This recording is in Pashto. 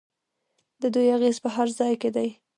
د دوی اغیز په هر ځای کې دی.